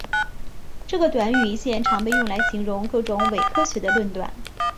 这个短语现常被用来形容各种伪科学的论断。